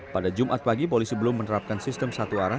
pada jumat pagi polisi belum menerapkan sistem satu arah